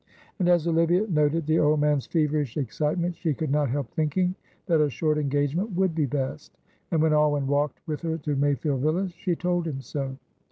And as Olivia noted the old man's feverish excitement she could not help thinking that a short engagement would be best, and when Alwyn walked with her to Mayfield Villas she told him so.